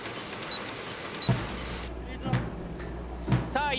さあ